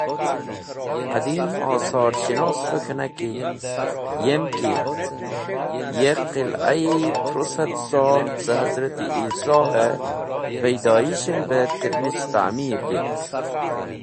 Qadeem Osor Shanosve K̃hinaki yemki ye Qila e thru sad sol Ce Hazrat Esso he Paidoyishen be termis Ta’mir vitk.